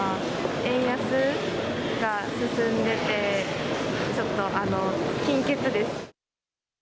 円安が進んでて、ちょっと金欠です。